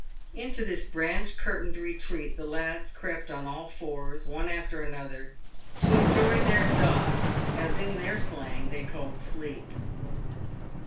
Into this branch curtained retreat the lads crept on all fours, one after another, to enjoy their " doss," as, in their slang, they called sleep.